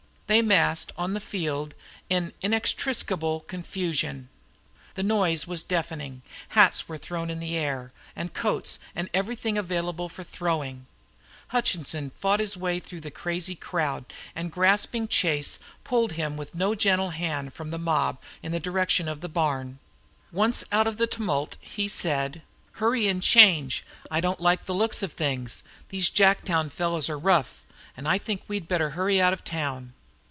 They massed on the field in inextricable confusion. The noise was deafening. Hats were in the air, and coats, and everything available for throwing up. Hutchinson fought his way through the crazy crowd, and grasping Chase pulled him with no gentle hand from the mob in the direction of the barn. Once out of the tumult he said: "Hurry and change. I don't like the looks of things. These Jacktown fellows are rough. I think we'd better hurry out of town."